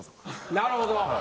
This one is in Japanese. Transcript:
なるほど。